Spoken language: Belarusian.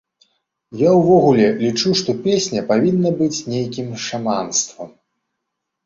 Я ўвогуле лічу, што песня павінна быць нейкім шаманствам.